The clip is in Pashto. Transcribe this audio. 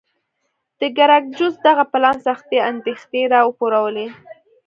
د ګراکچوس دغه پلان سختې اندېښنې را وپارولې.